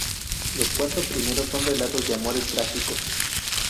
Los cuatro primeros son relatos de amores trágicos.